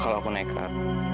kalau aku nekat